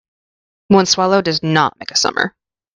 One swallow does not make a summer.